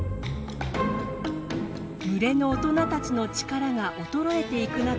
群れの大人たちの力が衰えていく中